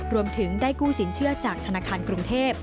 รวมถึงได้กู้สินเชื่อจากธนาคารกรุงเทพ